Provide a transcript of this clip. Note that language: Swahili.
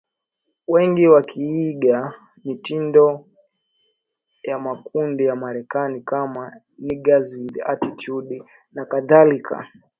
Wengi wakiiga mitindo ya makundi ya Marekani kama Niggers With Attitude na kadhalika